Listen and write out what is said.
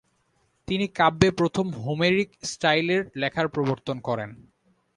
তিনি কাব্যে প্রথম হোমেরিক স্টাইলের লেখার প্রবর্তন করেন।